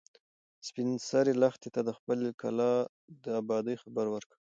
سپین سرې لښتې ته د خپلې کلا د ابادۍ خبر ورکړ.